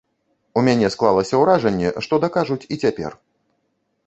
У мяне склалася ўражанне, што дакажуць і цяпер.